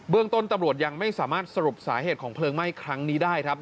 เรื่องต้นตำรวจยังไม่สามารถสรุปสาเหตุของเพลิงไหม้ครั้งนี้ได้ครับ